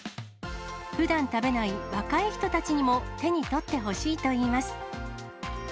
ふだん食べない若い人たちにも手に取ってほしいといいます。